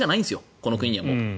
この国にはもう。